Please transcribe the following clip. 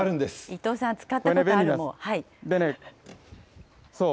伊藤さん、使ったことある、もう。